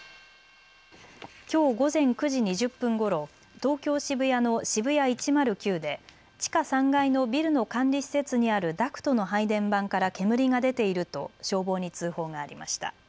きょう午前９時２０分ごろ東京渋谷のＳＨＩＢＵＹＡ１０９で地下３階のビルの管理施設にあるダクトの配電盤から煙が出ていると消防に通報がありました。